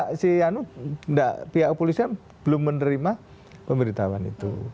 tapi itu kan pihak polisnya belum menerima pemberitahuan itu